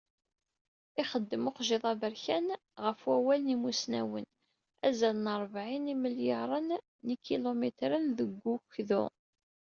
Ixeddem uxjiḍ-a aberkan, ɣef wawal n yimussnawen, azal n rebεin n yimelyaren n yikilumitren deg ukdu.